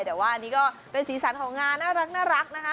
แต่ว่าอันนี้ก็เป็นสีสันของงานน่ารักนะคะ